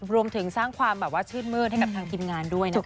รวมถึงสร้างความแบบว่าชื่นมืดให้กับทางทีมงานด้วยนะคะ